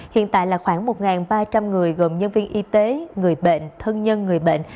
hiện tại là khoảng một ba trăm linh người gồm nhân viên y tế người bệnh thân nhân người bệnh